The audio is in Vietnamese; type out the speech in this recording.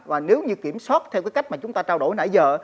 và nếu như kiểm soát theo cái cách mà chúng ta trao đổi nãy giờ